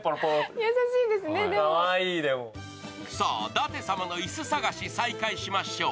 さあ、舘様のいす探し、再開しましょう。